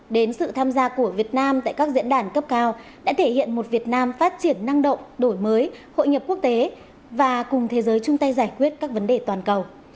đến sự tham gia của việt nam tại các diễn đàn cấp cao đã thể hiện một việt nam phát triển năng động đổi mới hội nhập quốc tế và cùng thế giới chung tay giải quyết các vấn đề toàn cầu